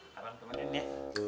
nah abang temenin ya